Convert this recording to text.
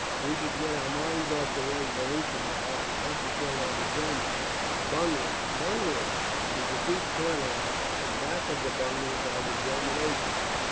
We should get our minds off the Revolution now and concentrate on the Germans. Bunglers, bunglers, to defeat Kornilov; and back of the bunglers are the German agents.